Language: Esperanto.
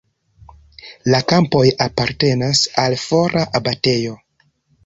La kampoj apartenis al fora abatejo.